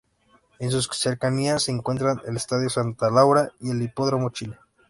En sus cercanías se encuentran el Estadio Santa Laura y el Hipódromo Chile.